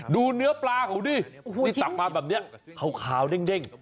ดูเนื้อปลาเขาดิที่ตักมาแบบนี้ขาวเด้ง